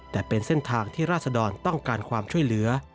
แต่เป็นเส้นทางที่ราศดรต้องการความช่วยเหลือ